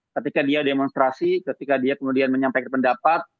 ketika dia demonstrasi ketika dia kemudian menyampaikan pendapat